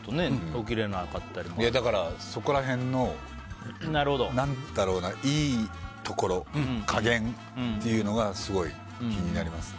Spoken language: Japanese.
だから、そこら辺のいい加減というのがすごく気になりますね。